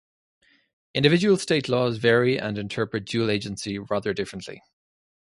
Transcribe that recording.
Individual state laws vary and interpret dual agency rather differently.